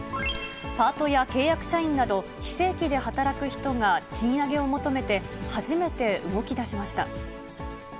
パートや契約社員など、非正規で働く人が賃上げを求めて、初めて動きだしました。